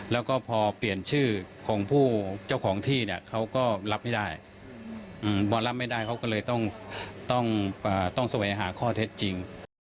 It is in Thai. แล้วก็พอเปลี่ยนชื่อของผู้เจ้าของที่เนี่ยเขาก็รับไม่ได้บอลรับไม่ได้เขาก็เลยต้องแสวงหาข้อเท็จจริง